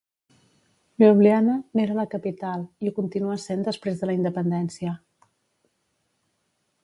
Ljubljana n'era la capital, i ho continuà sent després de la independència.